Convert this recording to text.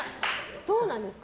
どうなんですか？